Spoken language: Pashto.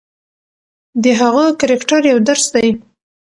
د هغه کرکټر یو درس دی.